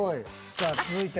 さあ続いて。